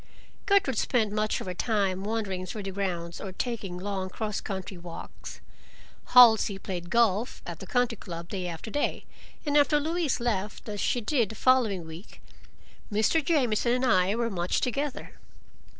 Gertrude spent much of her time wandering through the grounds, or taking long cross country walks. Halsey played golf at the Country Club day after day, and after Louise left, as she did the following week, Mr. Jamieson and I were much together.